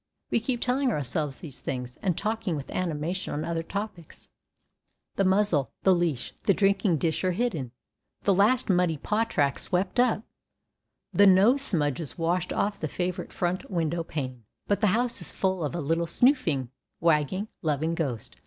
We keep telling ourselves these things, and talking with animation on other topics. The muzzle, the leash, the drinking dish are hidden, the last muddy paw track swept up, the nose smudges washed off the favorite front window pane. But the house is full of a little snoofing, wagging, loving ghost.